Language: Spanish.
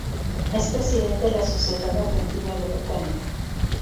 Es presidente de la Sociedad Argentina de Botánica.